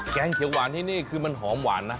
งเขียวหวานที่นี่คือมันหอมหวานนะ